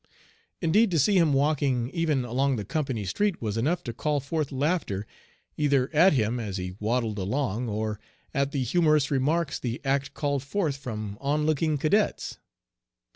Indeed to see him walking even along the company street was enough to call forth laughter either at him as he waddled along or at the humorous remarks the act called forth from onlooking cadets.